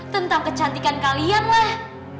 tentang kecantikan kalian lah